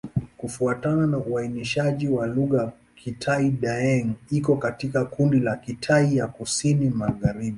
Kufuatana na uainishaji wa lugha, Kitai-Daeng iko katika kundi la Kitai ya Kusini-Magharibi.